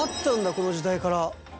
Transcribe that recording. この時代から。